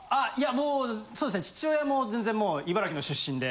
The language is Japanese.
もうそうですね父親も全然もう茨城の出身で。